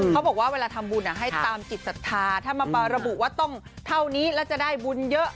เขาบอกว่าเวลาทำบุญให้ตามจิตศรัทธาถ้ามาระบุว่าต้องเท่านี้แล้วจะได้บุญเยอะ